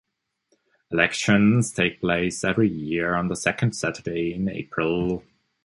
Elections take place every year on the second Saturday in April.